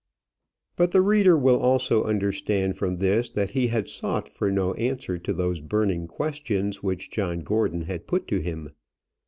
But the reader will also understand from this that he had sought for no answer to those burning questions which John Gordon had put to him.